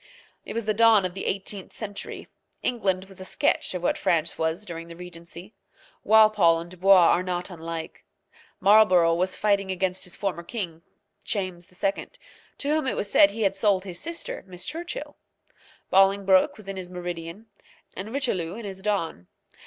It was the dawn of the eighteenth century. England was a sketch of what France was during the regency. Walpole and Dubois are not unlike. Marlborough was fighting against his former king, James II., to whom it was said he had sold his sister, Miss Churchill. Bolingbroke was in his meridian, and Richelieu in his dawn.